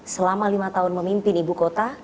selama lima tahun memimpin ibu kota